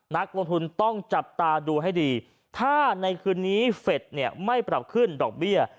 นักลงทุนต้องจับตาดูให้ดีถ้าในคืนนี้เฟสเนี่ยไม่ปรับขึ้นดอกเบี้ย